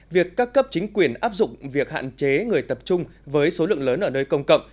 việc các cấp chính quyền áp dụng việc hạn chế người tập trung với số lượng lớn ở nơi công cộng